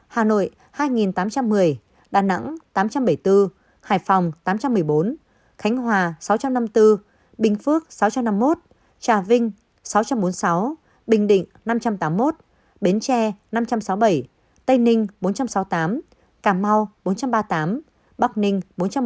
hà nội hai tám trăm một mươi đà nẵng tám trăm bảy mươi bốn hải phòng tám trăm một mươi bốn khánh hòa sáu trăm năm mươi bốn bình phước sáu trăm năm mươi một trà vinh sáu trăm bốn mươi sáu bình định năm trăm tám mươi một bến tre năm trăm sáu mươi bảy tây ninh bốn trăm sáu mươi tám cà mau bốn trăm ba mươi tám bắc ninh bốn trăm một mươi